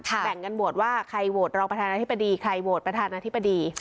แบ่งกันโหวตว่าใครโหวตรองประธานาธิบดีใครโหวตประธานาธิบดี